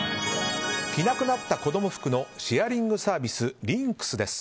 着なくなった子供服のシェアリングサービスＬｙｎｋｓです。